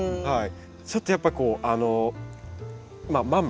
ちょっとやっぱこうマム。